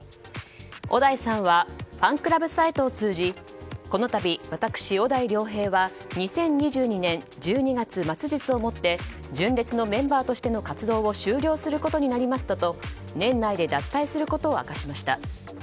小田井さんはファンクラブサイトを通じこの度、私、小田井涼平は２０２２年１２月末日をもって純烈のメンバーとしての活動を終了することになりましたと年内で脱退することを明かしました。